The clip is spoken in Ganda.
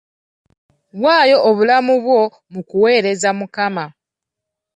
Waayo obulamu bwo mu kuweereza Mukama.